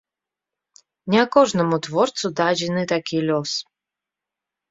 Не кожнаму творцу дадзены такі лёс.